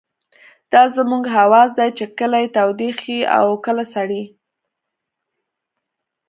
دا زموږ حواس دي چې کله يې تودې ښيي او کله سړې.